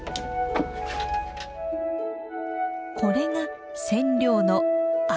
これが染料の藍。